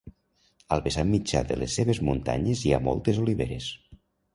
Al vessant mitjà de les seves muntanyes hi ha moltes oliveres.